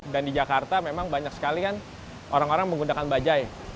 dan di jakarta memang banyak sekali kan orang orang menggunakan bajaj